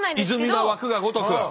泉が湧くがごとく。